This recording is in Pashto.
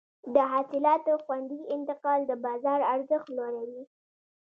د حاصلاتو خوندي انتقال د بازار ارزښت لوړوي.